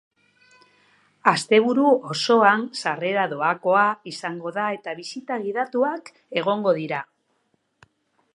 Asteburu osoan, sarrera doakoa izango da eta bisita gidatuak egongo dira.